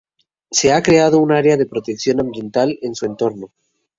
Se ha creado un área de protección ambiental en su entorno.